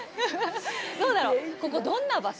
どうだろう、ここ、どんな場所？